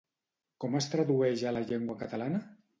Com es tradueix a la llengua catalana?